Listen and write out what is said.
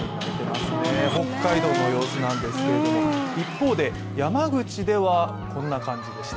北海道の様子なんですけれども、一方で山口ではこんな感じでした。